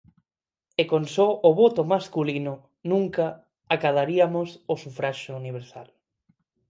E con só o voto masculino nunca acadaríamos o sufraxio universal.